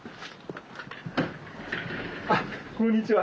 あっこんにちは。